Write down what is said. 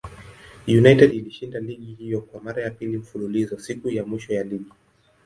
United ilishinda ligi hiyo kwa mara ya pili mfululizo siku ya mwisho ya ligi.